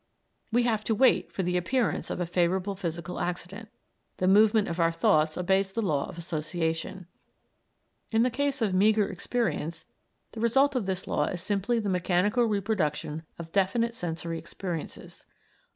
We have to wait for the appearance of a favorable physical accident. The movement of our thoughts obeys the law of association. In the case of meagre experience the result of this law is simply the mechanical reproduction of definite sensory experiences.